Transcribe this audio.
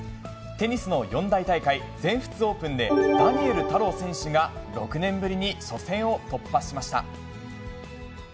テニスの四大大会、全仏オープンで、ダニエル太郎選手が６年ぶりに初戦を突破しました。